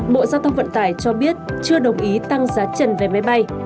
bộ giao thông vận tải cho biết chưa đồng ý tăng giá trần vé máy bay